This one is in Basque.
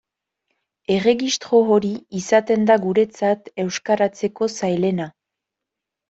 Erregistro hori izaten da guretzat euskaratzeko zailena.